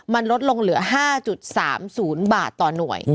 มันลดลงเหลือ๕๓๐บาทต่อหน่วย